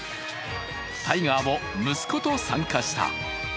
タイガーも息子と参加した。